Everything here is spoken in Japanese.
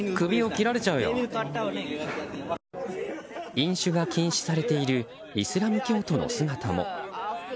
飲酒が禁止されているイスラム教徒の姿も。